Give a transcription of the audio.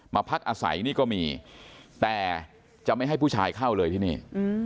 พักอาศัยนี่ก็มีแต่จะไม่ให้ผู้ชายเข้าเลยที่นี่